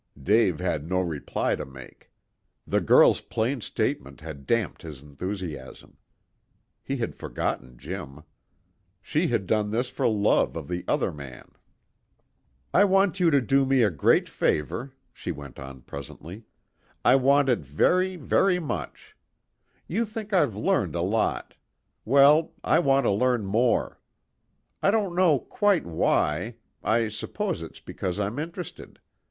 Dave had no reply to make. The girl's plain statement had damped his enthusiasm. He had forgotten Jim. She had done this for love of the other man. "I want you to do me a great favor," she went on presently. "I want it very very much. You think I've learned a lot. Well, I want to learn more. I don't know quite why I s'pose it's because I'm interested.